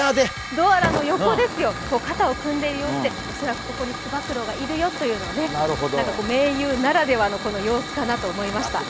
ドアラの横ですよ、肩を組んでいる様子で、ここにおそらく、つば九郎がいるよということで盟友ならではの様子かなと思いました。